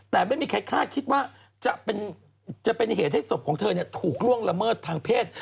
แต่ไม่มีใครคาดคิดว่าจะเป็นเหตุให้ศพของเธอถูกล่วงละเมิดทางเพศ